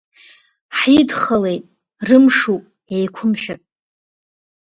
Ҳидхалеит, рымшуп, еиқәымшәак…